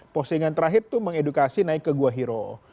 postingan terakhir itu mengedukasi naik ke gua hero